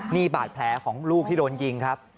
นี่บาดแผลของลูกที่โดนยิงครับ